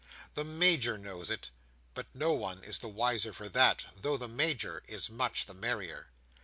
The Major knows it; but no one is the wiser for that, though the Major is much the merrier.